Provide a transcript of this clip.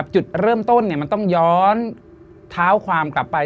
จุดเริ่มต้นมันต้องย้อนเท้าความกลับไป